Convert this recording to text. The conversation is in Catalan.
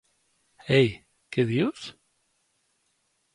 Ei, què dius?